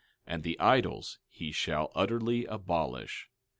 12:18 And the idols he shall utterly abolish.